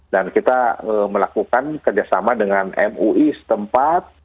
dan kita melakukan kerjasama dengan mui setempat